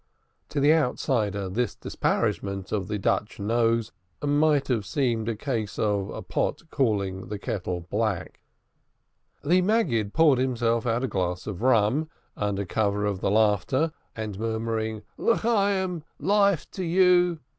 To the outsider this disparagement of the Dutch nose might have seemed a case of pot calling kettle black. The Maggid poured himself out a glass of rum, under cover of the laughter, and murmuring "Life to you."